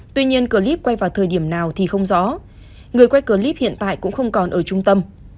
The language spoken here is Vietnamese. tuy nhiên clip quay vào thời điểm nào thì không rõ người quay clip hiện tại cũng không còn ở trung tâm